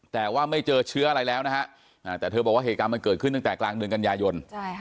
แต่ว่าไม่เจอเชื้ออะไรแล้วนะฮะแต่เธอบอกว่าเหตุการณ์มันเกิดขึ้นตั้งแต่กลางเดือนกันยายน